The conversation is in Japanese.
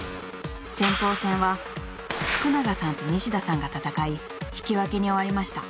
［先鋒戦は福永さんと西田さんが戦い引き分けに終わりました。